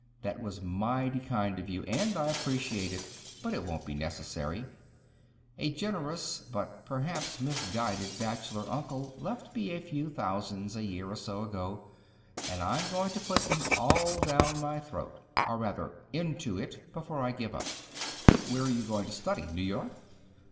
"That was mighty kind of you, and I appreciate it; but it won't be necessary. A generous, but perhaps misguided bachelor uncle left me a few thousands a year or so ago; and I'm going to put them all down my throat or rather, into it before I give up." "Where you going to study? New York?"